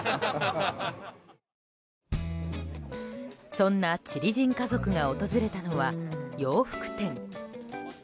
そんなチリ人家族が訪れたのは洋服店。